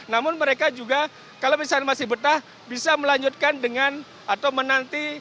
namun mereka juga kalau misalnya masih betah bisa melanjutkan dengan atau menanti